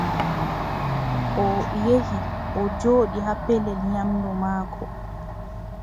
O yehi, o jooɗi haa pellel nyaamndu maako.